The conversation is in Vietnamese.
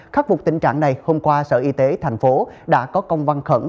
khắc phục tình trạng này hôm qua sở y tế tp hcm đã có công văn khẩn